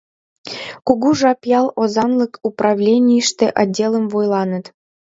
Кугу жап ял озанлык управленийыште отделым вуйлатен.